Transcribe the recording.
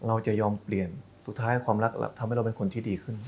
เราจะยอมเปลี่ยนสุดท้ายความรักทำให้เราเป็นคนที่ดีขึ้น